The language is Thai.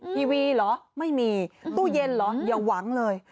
ทีวีเหรอไม่มีตู้เย็นเหรออย่าหวังเลย